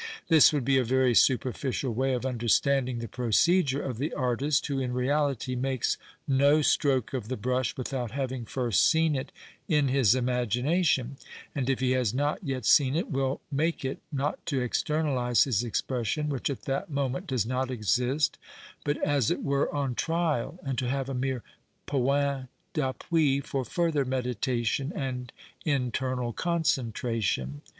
This would be a very superficial way of understanding the procedure of the artist, who, in reality, makes no stroke of the brush without having first seen it in his imagination ; and, if he has not yet seen it, will make it, not to externalize his expression (wiiieh at that moment does not exist), but as it were on trial and to have a mere jjoini cVappui for further meditation and internal concentration.